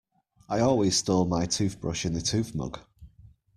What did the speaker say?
I always store my toothbrush in the toothmug.